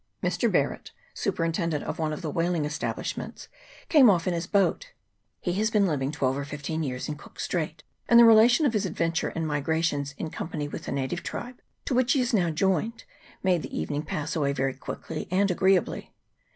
Mr. Barret, superintendent of one of the whaling establishments, came off in his CHAP. II.] WHALES AND WHALERS. 37 boat. He has been living twelve or fifteen years in Cook's Strait, and the relation of his adventures and migrations in company with the native tribe, to which he is now joined, made the evening pass away very quickly and agreeably.